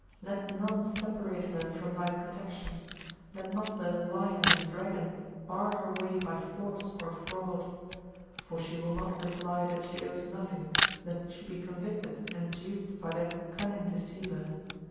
Let none separate her from thy protection. Let not the "lion" and "dragon" bar her way by force or fraud. For she will not reply that she owes nothing, lest she be convicted and duped by that cunning deceiver.